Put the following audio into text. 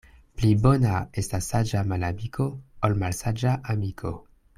Pli bona estas saĝa malamiko, ol malsaĝa amiko.